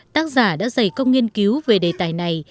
tác giả đã dày công nghiên cứu về đề tài này